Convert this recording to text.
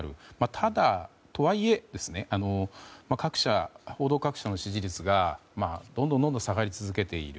ただ、とはいえ報道各社の支持率がどんどん下がり続けている。